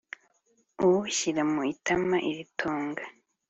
iwushyira mu itama iritonga,